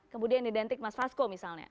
kemudian identik mas fasko misalnya